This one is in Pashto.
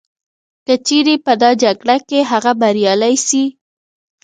که چیري په دا جګړه کي هغه بریالی سي